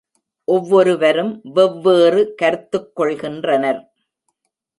ஒவ்வொருவரும் வெவ் வேறு கருத்துக் கொள்கின்றனர்.